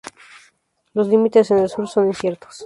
Los límites en el sur son inciertos.